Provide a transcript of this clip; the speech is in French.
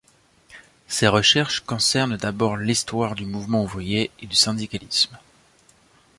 Ses recherches concernent d'abord l'histoire du mouvement ouvrier et du syndicalisme.